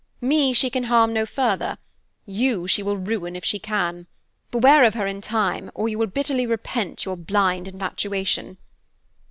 Me she can harm no further; you she will ruin, if she can. Beware of her in time, or you win bitterly repent your blind infatuation!